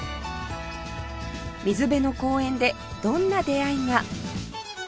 水辺の公園でどんな出会いが？